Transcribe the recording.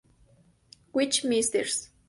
Which, Mrs.